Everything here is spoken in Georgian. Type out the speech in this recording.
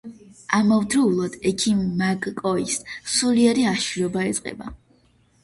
ამავდროულად ექიმ მაკ-კოის სულიერი აშლილობა ეწყება.